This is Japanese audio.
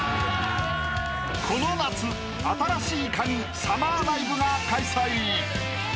［この夏新しいカギサマーライブが開催］